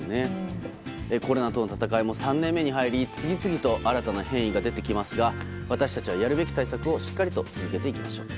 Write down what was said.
コロナとの闘いも３年目に入り次々と新たな変異が出てきますが私たちはやるべき対策をしっかりと続けていきましょう。